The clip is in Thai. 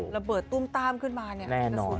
ระเบิดตุ้มต้ามขึ้นมาเนี่ยนะคุณ